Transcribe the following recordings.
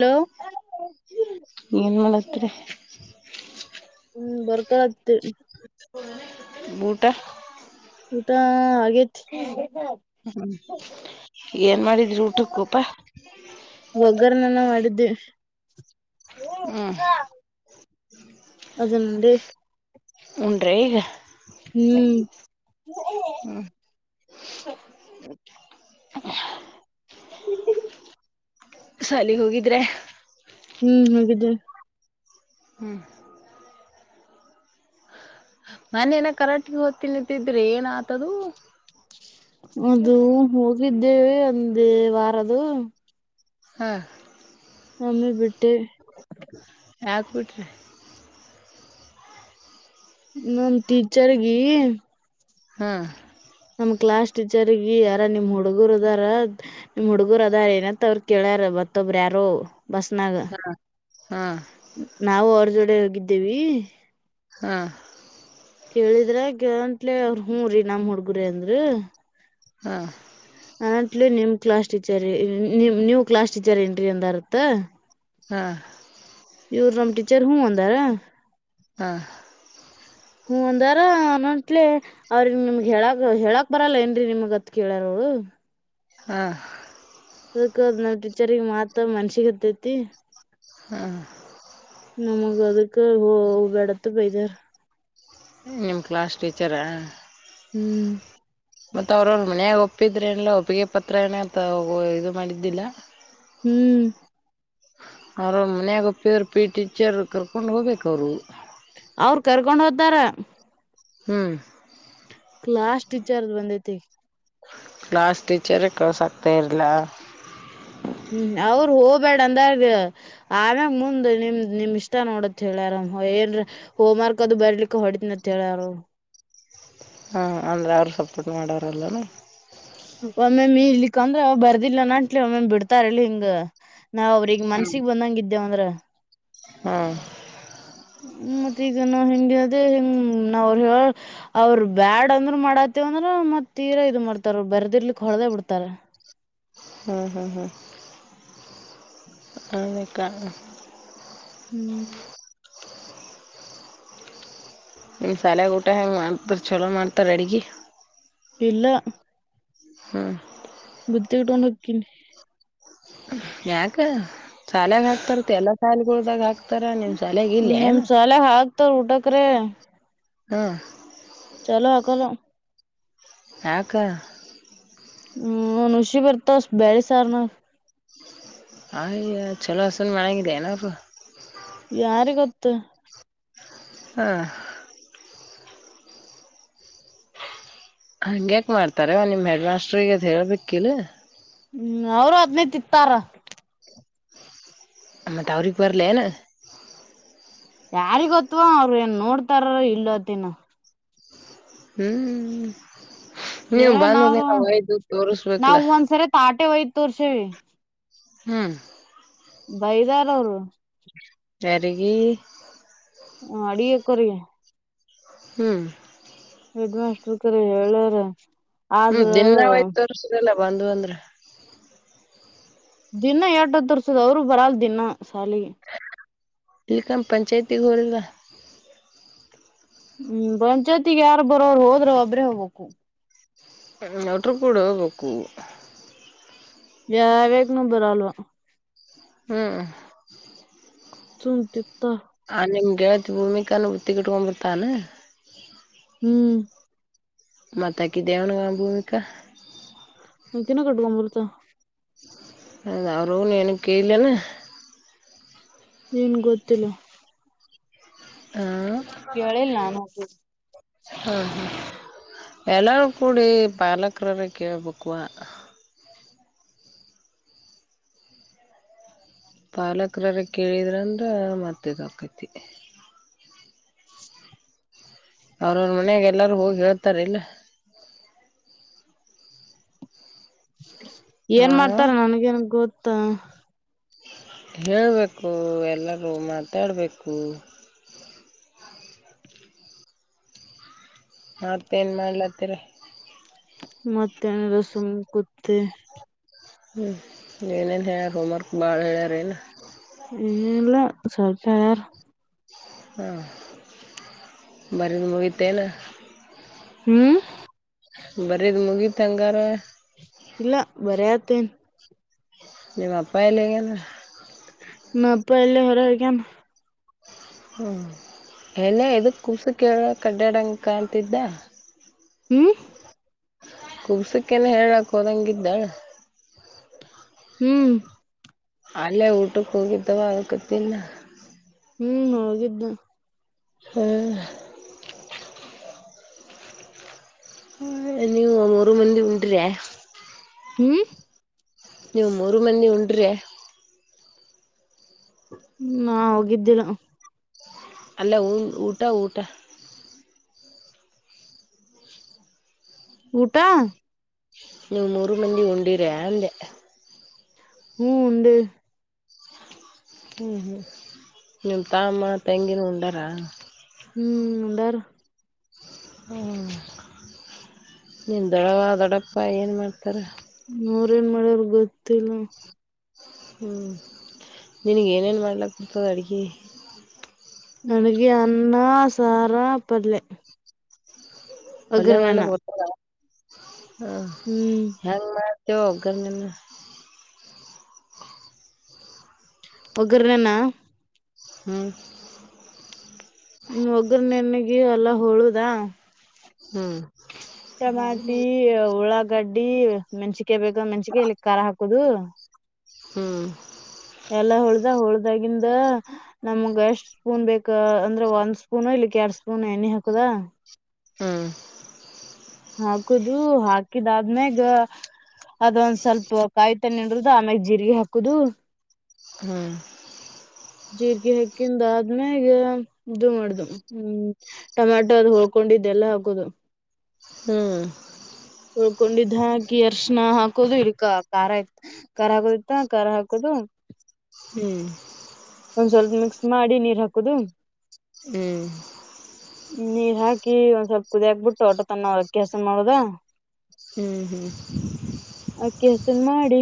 Hello ಏನ್ ಮಾಡತ್ರಿ ಹ್ಮ್ ಬರ್ಕಳತಿ ಊಟ ಊಟಾ ಹಾಗೇತಿ ಹ್ಮ್ ಏನ್ ಮಾಡಿದ್ರಿ ಊಟಕ್ಕೋಪ ಒಗ್ಗರಣಿ ಅನ್ನ್ ಮಾಡಿದ್ದಿವಿ ಹ್ಮ್ ಅದನ್ ಉಂಡೆ ಉಂಡರೇ ಈಗ ಹ್ಮ್ ಹ್ಮ್ ಹ್ಮ [unintelligible] ಸಾಲಿಗ ಹೋಗಿದ್ರೆ ಹ್ಮ್ ಹೋಗಿದ್ದೆ ಹ್ಮ್ ಮನೇನ ಕರಾಟಿಗೆ ಹೊತಿನಂತಿದ್ರಿ ಏನ್ ಆತದು ಅದು ಹೋಗಿದ್ದೇವೆ ಒಂದಿ ವಾರದು ಹ್ ನಮ್ಮಿ ಬಿಟ್ಟೆ ಹಾಕ್ಬಿಟ್ರಿ ಇನ್ನೂಂದ ಟೀಚರ್ಗಿ ಹ್ ನಮ್ ಕ್ಲಾಸ್ ಟೀಚರ್ಗಿ ಯಾರ ನಿಮ್ ಹುಡುಗುರದಾರ ನಿಮ್ ಹುಡುಗ್ರು ಅದಾರ ಏನಂತ್ತ ಅವರ ಕೇಳ್ಯಾರ ಮತ್ತೊಬ್ಬ್ರ ಯಾರೋ ಬಸ್ನಾಗ ಹ್ ಹ್ ನಾವು ಅವರ ಜೋಡೆ ಹೋಗಿದ್ದೇವಿ ಹ್ಮ ಕೇಳಿದ್ರ ಗಂಟ್ಲೆ ಅವ್ರ ಹೂರೀ ನಮ್ ಹುಡ್ಗುರೆ ಅಂದ್ರ ಹ್ ಅಣತ್ಳಿ ನಿಮ್ ಕ್ಲಾಸ್ ಟೀಚರ್ ನಿಮ ನೀವ್ ಕ್ಲಾಸ್ ಟೀಚರ್ ಏನ್ರೀ ಅಂದಾರತ್ತ ಹಾ. ಯುರ್ ನಮ್ ಟಿಚರ್ ಹು ಆಂದರಾ. ಹಾ. ಹು ಆಂದಾರ ಅನುಂಟ್ಲೆ. ಅವ್ರಿ ನಿಮ್ಗ್ ಹೇಳಕ್ ಹೇಳಾಕ್ ಬರಲ್ಲ ಏನ್ರೀ ನಿಮ್ಗ್ ಅತ್ ಕೇಳಾರವರು. ಹಾ. ಅದಕ್ಕ ನಮ್ ಟೀಚಿರ್ಗ್ ಮಾತ್ ಮನಶಿಗ್ ಹತ್ತೈತಿ. ನಮಗೆ ಅದುಕ್ಕೆ ಓ ಎಡತ್ ಬೈತರ. ನಿಮ್ ಕ್ಲಾಸ್ ಟೀಚರಾ. ಹ್ಮ್. ಮತ್ತ ಅವ್ರ್ಅವ್ರೊ ಮಾನ್ಯಗ ಒಪ್ಪಿದ್ರೆ ಏನಲ್ಲ ಒಪ್ಪಿಗೆ ಪತ್ರ ಏನ [unintelligible] ಇದು ಮಾಡಿದ್ದಿಲ್ಲ. ಹ್ಮ್. ಅವ್ರವ್ರ ಮನೆಗ ಒಪ್ಪಿದರೆ ಪಿ ಟೀಚರ್ ಕರ್ಕೊಂಡು ಹೋಗ್ಬೇಕು ಅವರು. ಅವ್ರು ಕರ್ಕೊಂಡ್ ಹೋತಾರ. ಹ್ಮ್. ಕ್ಲಾಸ್ ಟೀಚರ್ದ್ ಬಂದೈತಿ. ಕ್ಲಾಸ್ ಟೀಚರೇ ಕಳ್ಸ್ಕ್ ತಯಾರಿಲ್ಲ. ಹ್ಮ್ ಅವ್ರು ಹೋಗ್ಬೇಡ ಅಂದ್ಯಾರಿ. ಆಮ್ಯಾಗ ಮುಂದ್ ನಿಮ್ ನಿಮ್ ಇಷ್ಟ ನೋಡತ್ ಹೇಳ್ಯಾರ ಏನ್ರಿ. ಹೋಮ್ ವರ್ಕ್ ಅದು ಬರ್ಲಿಕ್ಕೆ ಹೊಡಿತಿನಂತ ಹೇಳ್ಯಾರ. ಹಾಂ ಅಂದ್ರೆ ಅವರು ಸಪೋರ್ಟ್ ಮಾಡ್ಯಾರಲೆನಾ. ಒಮ್ಮೆ ಮೀ ಇಲಿಕ್ಕ ಅಂದ್ರ ಅವ ಬರ್ದಿಲ್ಲನ ಅಂಟ್ಲಿ ಒಮ್ಮೊಮ್ಮ ಬಿಡ್ತಾರಲಿ ಹಿಂಗ. ನಾವ್ ಅವ್ರಿಗ್ ಮನ್ಸಿಗೆ ಬಂದಂಗೆ ಇದ್ದಿವಂದ್ರ. ಹ್ಮ. ಹ್ಮ ಮತ್ತೆ ಈಗ ನಾ ಹೆಂಗೆ ಅದೇ ಹೆಂಗ ನಾವರು ಹೇಳ. ಅವ್ರರು ಬ್ಯಾಡ್ ಅಂದ್ರರು ಮಾಡಾತ್ತವ ಅಂದ್ರ ಮತ್ ತೀರ ಇದು ಮಾಡ್ತಾರ ಬರ್ದಿರ್ಲಿಕ್ ಹೊಡದೇ ಬಿಡ್ತಾರ. ಹ್ಮ್ ಹ್ಮ್ ಹ್ಮ್ ಅಕ್ಕ. ಹ್ಮ್. ನಿಮ್ಮ್ ಶಾಲೆಯಗ ಊಟ ಹೆಂಗ ಮಾಡ್ತಾರ ಚಲೋ ಮಾಡ್ತಾರ ಅಡಿಗಿ. ಇಲ್ಲಾ. ಹ್. ಬುತ್ತಿ ಇಡ್ಕೊಂಡು ಓಕಿನಿ. ಯಾಕ ಶಾಲಯಾಗ ಹಾಕ್ತಾರ ಎಲ್ಲ ಶಾಲೆಗಳ್ದಾಗ ಹಾಕ್ತಾರ ನಿಮ್ ಶಾಲಯಾಗ ಇಲ್ಲೇನು. ಎಲ್ಲ ಹಾಕ್ತಾರ ಊಟಕ್ರಿ. ಹಾ. ಚಲೋ ಅಕಲ್ಲ. ಯಾಕ್ಕ. ಹ್ಮ್ ಹುಷಿ ಬರ್ತಾವ ಬೆಳ್ ಸಾರ್ ನ. [unintelligible] ಚಲೋಸುನ್ ಮಾಡನೆಗೆನಾಪ್ಪ. ಯಾರಿ ಗೊತ್ತು. ಹ್ಮ್. ಅಂಗ ಹ್ಯಾಕೆ ಮಾಡ್ತಾರ ನಿಮ್ಮ ಹೆಡ್ ಮಾಸ್ಟ್ರಿಗೆ ಹೆದ್ ಹೇಳ್ಬೇಕಿಲ್ಲ. ಹ್ಮ್ ಅವರು ಹದ್ನೈ ತಿ ಇತ್ತಾರ. ಮತ್ತೆ ಅವ್ರಿಗೆ ಬರಲೆನು. ಯಾರಿಗೊತ್ವಾ ಅವರು ಏನ್ ನೋಡ್ತಾರಾರ ಇಲ್ಲತ್ತಿನು. ಹ್ಮ್ ನೀವುಬಂದ್ರಿ ಹೇಳೇನವ್ರು ವಯದು ತೋಸ್ಬೇಕಲ್ಲಾ ಪಾಟೆ ವಹ ತೋರ್ಸವಿ ಹ್ಮ್ ಬೈದಾರ ಅವರು ಸಾರಗ ಹ ವರ್ಡಿ ಅಕ್ಯಾರೆ ಹ್ಮ್ ಹೆಡ್ ಮಾಸ್ಟರ್ ಕರ ಹೇಳಾರ ಹ್ಮ್ ಆದ್ರ ದಿನ ನಾವ್ಯ್ತ್ ತೋರ್ಸುದಲ್ಲ ಬಂದ್ ಅಂದ್ರೆ ದಿನ ಎಟತ್ತು ತರ್ಸದ ಅವರು ಬರಲ್ ದಿನ ಸಾಲಿಗೆ ಇಲ್ಲಿ ಕಮ್ಮ ಪಂಚಾಯ್ತಿಗ್ ಹೋಲ್ವಾ ಹ್ಮ್ ಪಂಚಾಯ್ತಿ ಯಾರು ಬರೋರು ಹೋದ್ರ ಒಬ್ಬ್ರೇ ಹೋಗ್ಬೇಕು ಲೆಟರ್ ಕೂಡ ಒಗಕ್ಕೂ ಯಾವಾವಾಗನುೂ ಬರಲ್ವಾ ಹ್ಮ್ ಚಂಟ ತಪ್ಪ ಹ ನಿಮ್ಗೆಳತಿ ಭೂಮಿಕಾನ ಬತ್ತಿಟ್ಕೊಂಬತಾನ ಹ್ಮ್ ಮತ್ತಕ್ಕ ಇ ಇದೇ ಭೂಮಿಕಾ ಹಾಕಿನ ಕಟ್ಟಕೊಂಡಂಬರುತ ಅದ ಅವರುೂನುಏನ ಕೇಳಲನಾ ಏನ್ ಗೊತ್ತಿಲ್ಲ ಕೇಳಿಲ್ಲ ನಾನು ಹಾ ಹಾ ಹ್ಮ ಎಲ್ಲಾರೂ ಕೂಡಿ ಪಾಲಕ್ರರ ಕೇಳ್ಬೇಕವಾ ಪಾಲಕರ್ರ ಕೇಳಿದ್ರಂದ್ರೆ ಮತ್ತಗ ಹಾಕೈತಿ ಅವ್ರ ಅವ್ರ ಮನಯಾಗ ಎಲ್ಲಾರು ಹೋಗಿ ಹೇಳ್ತಾರ ಇಲ್ಲ ಹಾ ಏನ್ ಮಾಡ್ತಾರ ನನ್ಗೇನ್ ಗೊತ್ತಾ ಹೇಳಬೇಕು ಎಲ್ಲರೂ ಮಾತಾಡಬೇಕು ಮತ್ತ ಏನ್ ಮಾಡ್ಲತ್ತೀರಿ ಮತ್ತೆ ಏನಿಲ್ಲ ಸುಮ್ಗಾ ಕುತ್ತಿವಿ ಹ್ಮ್ ಏನೇನ್ ಹೇಳ್ಯಾರ ಹೋಮ್ವರ್ಕ್ ಬಾಳ ಹೇಳ್ಯಾರ ಏನ ಇಲ್ಲ ಸ್ವಲ್ಪ ಹೇಳರಾ ಹಾಂ ಬರದು ಮುಗಿತೇನೆ ಹ್ಮ್ ಬರೀದ್ ಮುಗೀತ್ ಹಂಗಾರ ಇಲ್ಲ ಬರ ಆತೇನ್ ನಿಮ್ಮಪ್ಪ ಎಲ್ಲಿ ಹೋಗ್ಯಾನ ನಮ್ಮಪ್ಪ ಇಲ್ಲೇ ಹೊರಗೋಗ್ಯನ ಹ್ಞೂ ಏನೇ ಇದಕ್ಕೆ ಕೂಸು ಕೇಳ ಕಡ್ಡ್ಯಾಡಂಕಾಣಂತಿದ್ದ ಹ್ಮ್ ಕುಬ್ಸಕ್ಕೇನ ಹೇಳಾಕ್ ಹೋದಂಗ ಇದ್ದ ಹ್ಮ್ ಅಲ್ಲೇ ಊಟಕ್ಕೆ ಹೋಗಿದ್ದವ ಆಕತಿಲ್ಲ ಹ್ಮ್ ಹೋಗಿದ್ದ ಹ್ಮ ನೀವು ಮೂರು ಮಂದಿ ಉಂಡ್ರಾ. ಹ್ಮ್ ನೀವು ಮೂರು ಮಂದಿ ಉಂಡ್ರಿಯ. ಹ್ಮ ನಾ ಹೋಗಿದ್ದಿನ. ಅಲ್ಲೇ ಊ ಊಟ ಊಟ. ಊಟಾ. ನೀವು ಮೂರು ಮಂದಿ ಉಂಡಿರ್ಯ ಅಂದೆ. ಹೂ ಉಂಡೆ. ಹ್ಮ್ ಹ್ಮ್ ನಿಮ್ಮ ತಾಮ್ಮ ತೆಂಗಿನ ಉಂಡರಾ. ಹ್ಮ ಉಂಡಾರು. ಹ್ಮಾ ನಿಂದಡವ ದೊಡಪ್ಪ ಏನು ಮಾಡ್ತಾರ. ನೋರೇನ್ ಮಾಡರ್ ಗೊತ್ತಿಲ್ಲ. ಹ್ಮ ನಿನಗ ಏನೇನು ಮಾಡ್ಲಕ್ಕ ಬರ್ತದ ಅಡುಗಿ. ನನಗೆ ಅನ್ನಾ ಸಾರಾ ಪಲ್ಲೆ. ಪಲ್ಯ ಮಾಡ್ಲಿಕ್ಕೆ ಬರ್ತದ ಹಾ. ಹ್ಮ್ ಹೊಂಗ್ ಮಾಡ್ತೇವ ಹೊಗ್ಗನಿನ್ನ. ಪಗರ ನನಾ. ಹ್ಮ್ ಹ್ಮ್ ಒಗ್ಗರು ನೆನಗಿ ಎಲ್ಲಾ ಹೊಳುದಾ. ಹ್ಮ್ ಟಮಾಟಿ ಉಳ್ಳಾಗಡ್ಡಿ ಮೆಣಸಿಕ ಬೇಕ ಅಂದ್ ಮೆಣಸಿಕಾಯ ಇಲ್ಲಿ ಖಾರ ಹಾಕೊದು. ಹ್ಮ್ ಎಲ್ಲಾ ಹೊಳ್ದ ಹೊಳ್ದಾಗಿಂದ ಹ. ನಮ್ಗ ಎಷ್ಟ್ ಸ್ಪೂನ್ ಬೇಕ ಅಂದ್ರೆ ಒಂದ್ ಸ್ಪೂನು ಇಲ್ಲಿಕ್ ಎರಡ್ ಸ್ಪೂನ್ ಎಣ್ಣೆ ಹಾಕೊದ. ಹ್ಮ್ ಹಾಕುದು ಹಾಕಿದ ಆದ್ಮ್ಯಾಗ. ಅದ ಒಂದ್ ಸ್ವಲ್ಪ ಕಾಯಿ ತನ ಇಡೋದು ಆಮ್ಯಾಗ ಜೀರಿಗೆ ಹಾಕುದು. ಹ್ಮ್ ಜೀರ್ರಿಗೆ ಹಕ್ಕಿಂದ ಆದ್ಮೇಗ ಇದು ಮಾಡ್ದ ಹ್ಮ್. ಟಮಟೊ ಅದು ಹೊಳ್ಕೊಂಡಿದ್ದೆಲ್ಲ ಹಾಕೋದು. ಹ್ಮ್ ಉಳ್ಕೊಂಡಿದ್ದ್ ಹಾಕಿ ಅರ್ಶಣ ಹಾಕೋದು ಇಕ ಖಾರ ಆಯತ್ ಖಾರ ಹಾಗೋಯ್ತ ಖಾರ ಹಾಕೋದು. ಹ್ಮ್ ಒಂದ್ ಸ್ವಲ್ಪ ಮಿಕ್ಸ್ ಮಾಡಿ ನೀರ್ ಹಾಕೊದು. ಹ್ಮ್ ನೀರ್ ಹಾಕಿ ಒಂದ್ ಸ್ವಲ್ಪ ಕುದಿಯಾಕ್ಬಿಟ್ಟು ಅಟ ತನ್ನ ಅಕ್ಕಿ ಅಸನ ಮಾಡುದಾ. ಹ್ಮ ಅಕ್ಕಿ ಹಸನ್ ಮಾಡಿ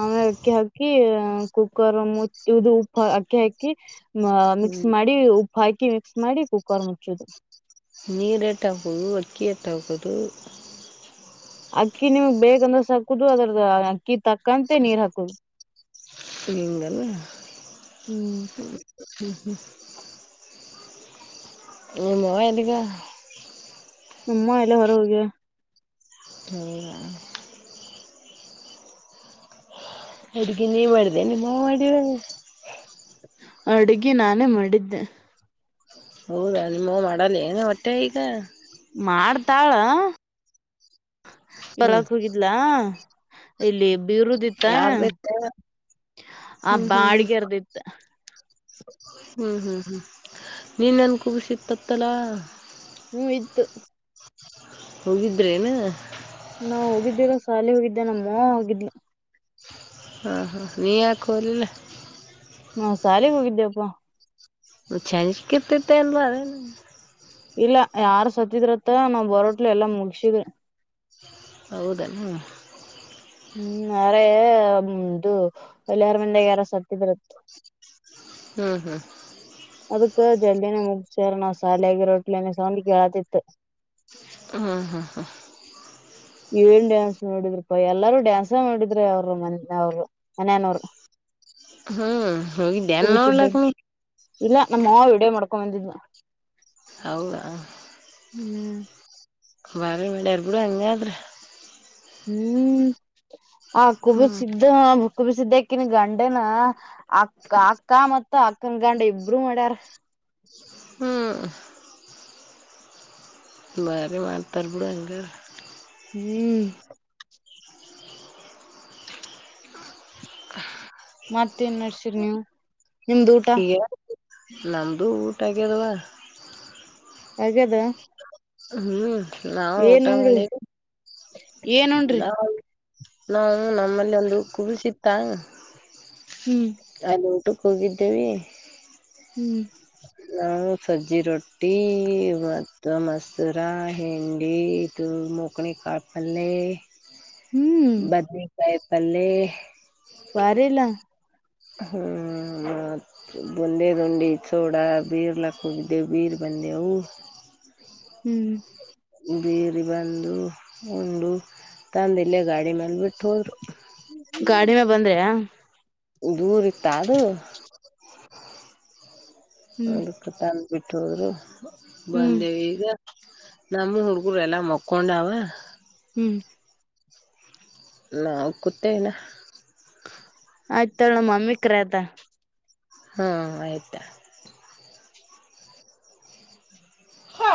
ಆಮೇಲೆ ಕ್ಯಕ್ಕಿ ಹಾ ಕುಕ್ಕರ್ ಮುಚ್ಚುದು. ಪ ಅಕ್ಕಿ ಹಾಕಿ ಮಿಕ್ಸ್ ಹ್ಮ್ ಮಾಡಿ ಉಪ್ಪು ಹಾಕಿ ಮಿಕ್ಸ್ ಮಾಡಿ ಕುಕ್ಕರ್ ಮುಚ್ಚೋದು. ನೀರ್ ಎಟ್ ಹಾಕೋದು ಅಕ್ಕಿ ಎಟ್ ಹಾಕೋದು. ಅಕ್ಕಿ ನಿಮ್ಗ್ ಬೇಕಂದೊಸ್ ಹಾಕುದು ಅದ್ರದ ಅಕ್ಕಿ ತಕ್ಕಂತೆ ನೀರ್ ಹಾಕುದು. ಹಿಂಗನು ಹ್ಮ್ ಹ್ಮ ಹ್ಮ. ನಿಮ್ಮೊ ಎಲ್ಲಿಗ. ನಮ್ ಅಮ್ಮ ಎಲ್ಲೋ ಹೊರ ಹೋಗಿದಾರೆ ಸರಿನಾ ಅಡಿಗೆ ನೀ ಮಾಡಿದೆ ನಿಮ್ಮ ಅವ್ವ ಮಾಡಿಲವೇನು ಅಡುಗೆ ನಾನೇ ಮಾಡಿದ್ದೆ ಹೌದಾ ನಿಮ್ಮ ಅವ್ವ ಮಾಡಲ್ಲೇನು ಮೊಟ್ಟೆ ಈಗ ಮಾಡ್ತಾಳ ಹ್ಮ್ ತರಕ್ ಹೋಗಿದ್ಲಾ ಇಲ್ಲಿ ಬೀರುದಿತ್ತ ಯಾರ್ ಬೇಕ ಆ ಹ್ಮ್ ಹ್ಮ್ ಬಾಡಿಗೆರ್ದಿತ್ತ ಹ್ಮ್ ಹ್ಮ್ ಹ್ಮ್ ನೀನ್ ನನ್ ಕೂಸಿತ್ತತ್ತಲ್ಲ ಹ್ಮ್ ಇತ್ತು [inaudible] ಹೋಗಿದ್ರೇನಾ ನಾ ಹೋಗಿದ್ದೀರ ಶಾಲೆ ಹೋಗಿದ್ದೆ ನಮ್ಮ ಅವ್ವ ಹೋಗಿದ್ಲು ಹಾ ಹಾ ನೀ ಯಾಕ್ ಹೋಗಿಲ್ಲ ಹಾ ಸಾಲೆಗ್ ಹೋಗಿದ್ದೆಪ್ಪ ಒನ್ ಚಾನ್ಸ್ ಸಿಕ್ಕಿತ್ತಲ್ಲ ಇಲ್ಲ ಯಾರ್ ಸತ್ತಿದ್ರಂತ ನಾವ್ ಬರೋಟ್ಲು ಎಲ್ಲಾ ಮುಗಸಿದ್ರ ಹೌದಾ ಹ್ಮ್ ನಾಳೆ ಇದು ಅಳಿಯಾನ್ ಮನೇಲಿ ಯಾರ ಸತ್ತಿದ್ರಂತೆ ಹ್ಮ್ಮ್ ಹ್ಮ್ಮ್ ಅದಕ್ ಜಲ್ಡಿನೇ ಮುಗಸಾರ ನಾವ್ ಸಾಲಾಗಿ ರೋಟ್ಲ ಸೌಂಡ್ ಕೇಳತಿತ್ತು ಹ್ಮ್ ಹ್ಮ್ಮ್ ಹ್ಮ್ಮ್ ಏನ್ ಡ್ಯಾನ್ಸ್ ನೋಡಿದ್ರಿ ಪಾ ಎಲ್ಲಾರೂ ಡ್ಯಾನ್ಸ ಮಾಡಿದ್ರಿ ಅವ್ರು ಮನೆ ಅವರು ಮನ್ಯನವರು ಹ್ಮ್ [unintelligible] ಕುಬಿಸಿದ್ದ ಇಲ್ಲ ನಮ್ಮ ಮಾವ ವಿಡಿಯೋ ಮಾಡ್ಕೊಂಡ್ ಬಂದಿದ್ದ ಹೌದಾ ಹ್ಮ್ ಬರ [unintelligible] ಬಿಡು ಹಂಗಾದ್ರ ಹ್ಮ್ ಆ ಹ್ಞೂ ಕುಬಿಸಿದ್ದ ಕುಬಿಸಿದ್ದ್ಯಾಕನ್ ಗಂಡೆನ ಅಕ್ಕ ಅಕ್ಕ ಮತ್ತ ಅಕ್ಕಂಗಂಡ ಇಬ್ರು ಮಾಡ್ಯಾರ ಹ್ಮ್ ಬಾರಿ ಮಾಡ್ತಾರೆ ಬಿಡು ಹಂಗದ್ರೆ ಹ್ಮ್ಮ್ ಮತ್ತೇನ್ ನಡ್ಸಿರಿ ನೀವು ನಿಮ್ದ ಊಟ [unintelligible] ನಮ್ದು ಊಟ ಆಗ್ಯದವಾ ಹಾಗದ ಹ್ಮ್ ನಾವವು ಊಟ ಉಣ್ರಿ ಮಾಡವಿ ಏನ್ ಉಣ್ರಿ ನೋ [unintelligible] ನಮ್ಮಲ್ಲಿ ಒಂದು ಕೂಸಿತ್ತಾ ಹ್ಮ್ ಅಲ್ಲಿ ಊಟಕ್ಕೆ ಹೋಗಿದ್ದೇವಿ ಹ್ಮ್ ನಾವು ಸಜ್ಜಿ ರೊಟಿ ಮಾಡ್ದೆವು ತಮಸೂರ ಹಿಂಡಿ ತು ಮೂಕ್ಣಿ ಕಾಪಲ್ಲೆ ಹ್ಮ್ ಬದಲನೆಕಾಯಿ ಪಲ್ಲೇ ಬಾರಿಲ್ಲ ಹ್ಮ್ ಬಂದೇದಂಡಿ ಚೋಡ ಬೀರ್ಲ ಕುಗ್ದೆ ಬೀರ್ ಬಂದೆವು. ಹ್ಮ ಬೀರ್ ಬಂದು ಉಂಡು ತಂದ್ ಇಲ್ಲೇ ಗಾಡಿ ಮ್ಯಾಲ್ ಬಿಟ್ಟು ಹೋದ್ರು. ಗಾಡ್ಯ ಬಂದ್ರ್ಯಾ? ದೂರಿ ಇತ್ತ ಅದು? ಹ್ಮ್ ಅದು ತಂದ್ ಬಿಟ್ ಹೋದ್ರು ಹ್ಮ್ ಬಂದೇವ್ ಈಗ. ನಮ್ ಹುಡ್ಗರು ಎಲ್ಲಾ ಮಕ್ಕೊಂಡವ ಹ್ಮ [unintelligible] ಕುತ್ತೇಯಿಲ್ಲ. [unintelligible] ಮಮ್ಮಿ [unintelligible] ಅದ ಹಾ ಆಯ್ತಾ? ಹಾ